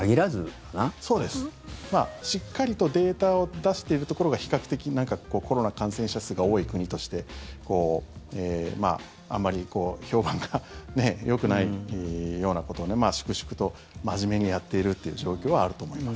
しっかりとデータを出しているところが比較的、なんかコロナ感染者数が多い国としてあんまり評判がよくないようなことを粛々と真面目にやっているという状況はあると思います。